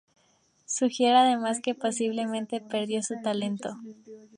Sugiere además, que posiblemente perdió su talento.